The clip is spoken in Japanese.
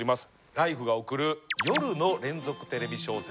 「ＬＩＦＥ！」が送る夜の連続テレビ小説